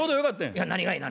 いや何がいな？